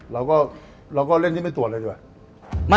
เราก็เราก็เล่นที่ไม่ตรวจเลยดีกว่า